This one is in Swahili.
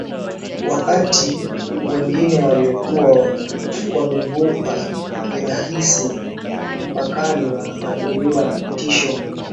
Wakati wengine waliokuwa wamevuka kirahisi mpakani wanakabiliwa na vitisho